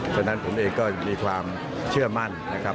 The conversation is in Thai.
ฉะนั้นผมเองก็มีความเชื่อมั่นนะครับ